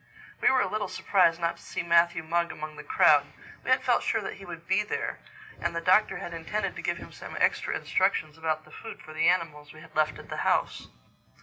We were a little surprised not to see Matthew Mugg among the crowd. We had felt sure that he would be there; and the Doctor had intended to give him some extra instructions about the food for the animals we had left at the house.